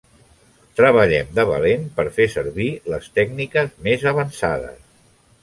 Treballem de valent per fer servir les tècniques més avançades.